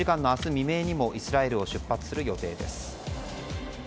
未明にもイスラエルを出発する予定です。